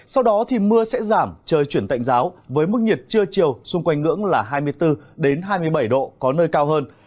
sau đó thì mưa sẽ giảm trời chuyển tạnh giáo với mức nhiệt trưa chiều xung quanh ngưỡng là hai mươi bốn hai mươi bảy độ có nơi cao hơn